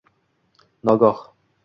Nogoh